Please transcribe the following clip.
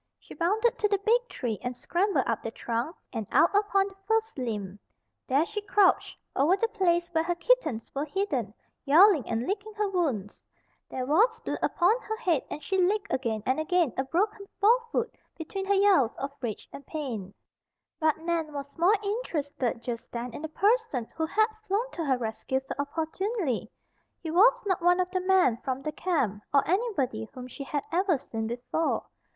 She bounded to the big tree and scrambled up the trunk and out upon the first limb. There she crouched, over the place where her kittens were hidden, yowling and licking her wounds. There was blood upon her head and she licked again and again a broken forefoot between her yowls of rage and pain. But Nan was more interested just then in the person who had flown to her rescue so opportunely. He was not one of the men from the camp, or anybody whom she had ever seen before.